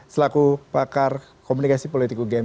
selaku pakar komunikasi politik ugm